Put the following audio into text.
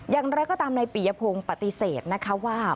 อย่างไรก็ตามในปียพงศ์ปฏิเสธนะคะว่า